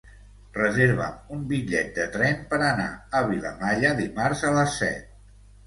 Reserva'm un bitllet de tren per anar a Vilamalla dimarts a les set.